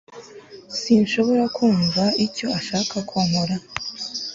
sinshobora kumva icyo ashaka ko nkora